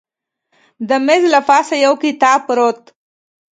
د میز له پاسه یو کتاب پرېوت.